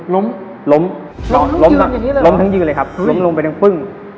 ล้มล้มทั้งล้มทั้งยืนเลยครับล้มลงไปทั้งปึ้ง